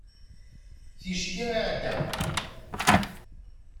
ticki iɛedda